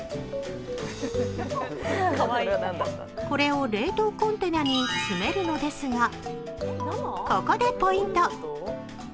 これを冷凍コンテナに詰めるのですが、ここでポイント。